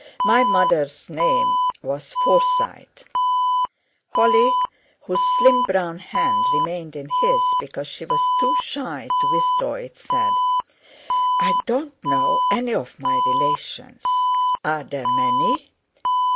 My mother's name was Forsyte." Holly, whose slim brown hand remained in his because she was too shy to withdraw it, said: "I don't know any of my relations. Are there many?"